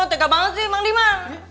tega banget sih emang diman